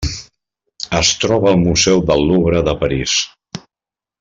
Es troba al Museu del Louvre a París.